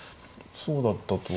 そうだったと。